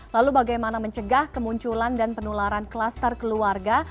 lalu bagaimana mencegah kemunculan dan penularan klaster keluarga